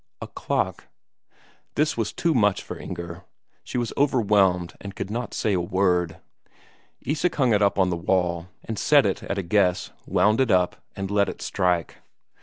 A clock. This was too much for Inger; she was overwhelmed and could not say a word. Isak hung it up on the wall, and set it at a guess, wound it up, and let it strike.